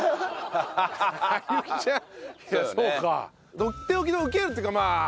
とっておきのウケるっていうかまあ。